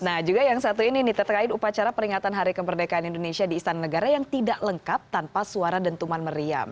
nah juga yang satu ini nih terkait upacara peringatan hari kemerdekaan indonesia di istana negara yang tidak lengkap tanpa suara dentuman meriam